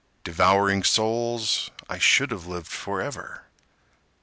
Devouring souls, I should have lived forever.